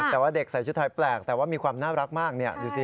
แต่ว่าเด็กใส่ชุดไทยแปลกแต่ว่ามีความน่ารักมากดูสิ